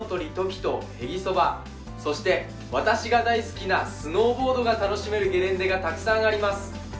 新潟といえば、県の鳥トキとへぎそば、そして私が大好きなスノーボードが楽しめるゲレンデがたくさんあります。